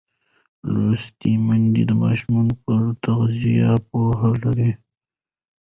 لوستې میندې د ماشوم پر تغذیه پوهه لري.